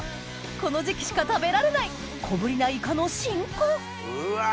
この時期しか食べられない小ぶりなイカの新子うわ！